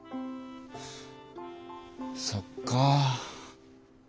そっかあ。